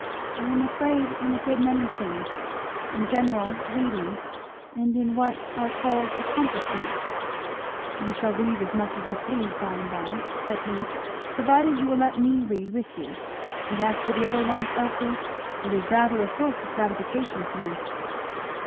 "I am afraid in a good many things in general reading, and in what are called accomplishments " "You shall read as much as you please by and by," said he, "provided you will let me read with you; and as for the other want, Elfie, it is rather a source of gratification to me."